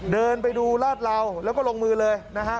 เดินไปดูลาดเหลาแล้วก็ลงมือเลยนะฮะ